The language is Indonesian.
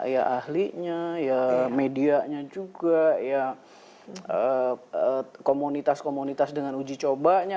ya ahlinya ya medianya juga ya komunitas komunitas dengan uji cobanya